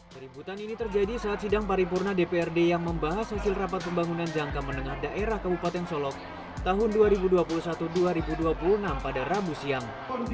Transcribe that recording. keributan ini terjadi saat sidang paripurna dprd yang membahas hasil rapat pembangunan jangka menengah daerah kabupaten solok tahun dua ribu dua puluh satu dua ribu dua puluh enam pada rabu siang